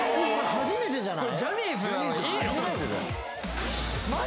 初めてじゃない？